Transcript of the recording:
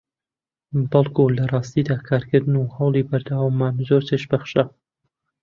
بەڵکو لەڕاستیدا کارکردن و هەوڵی بەردەواممان زۆر چێژبەخشە